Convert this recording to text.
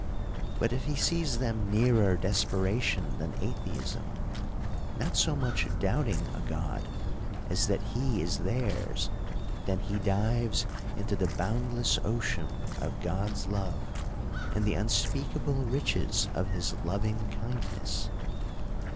But if he sees them nearer desperation than atheism — not so much doubting a God, as that he is theirs — then he dives into the boundless ocean of God's love, and the unspeakable riches of his loving kindness.